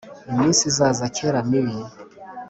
iminsi izaza kera mibi